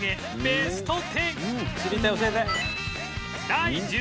ベスト１０